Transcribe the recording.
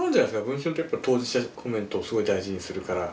「文春」ってやっぱり当事者コメントをすごい大事にするから。